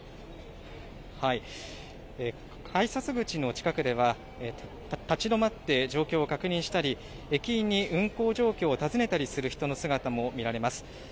改札口の近くでは、立ち止まって状況を確認したり、駅員に運行状況を尋ねたりする人の姿も見られます。